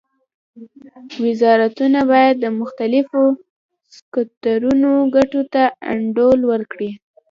وزارتونه باید د مختلفو سکتورونو ګټو ته انډول ورکړي